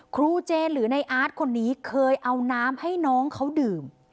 ครูเจนหรือในอาร์ตคนนี้เคยเอาน้ำให้น้องเขาดื่ม